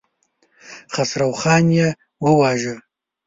خسروخان يې وواژه.